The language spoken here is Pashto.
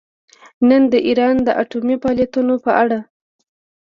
نن د ایران د اټومي فعالیتونو په اړه